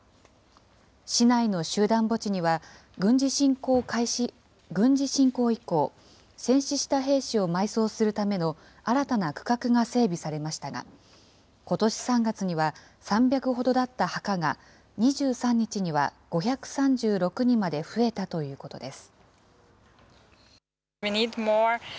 市内の集団墓地には、軍事侵攻以降、戦死した兵士を埋葬するための新たな区画が整備されましたが、ことし３月には３００ほどだった墓が、２３日には５３６にまで増えたということです。